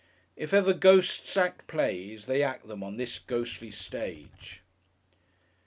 If ever Ghosts act plays, they act them on this ghostly stage.